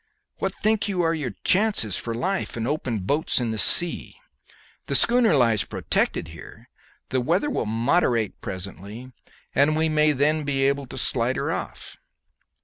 What think you are your chances for life in open boats in this sea? The schooner lies protected here; the weather will moderate presently, and we may then be able to slide her off.'